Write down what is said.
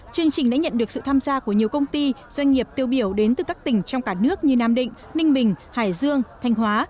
chương trình đã nhận được sự tham gia của nhiều công ty doanh nghiệp tiêu biểu đến từ các tỉnh trong cả nước như nam định ninh bình hải dương thanh hóa